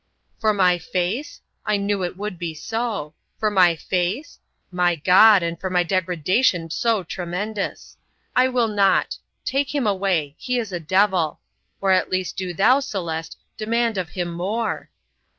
"For my face? I knew it would be so. For my face? My God! and for my degradation so tremendous! I will not. Take him away. He is a devil. Or at least do thou, Celeste, demand of him more."